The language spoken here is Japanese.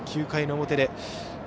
９回の表。